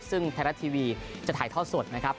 ซึ่งไทยรัฐทีวีจะถ่ายทอดสดนะครับ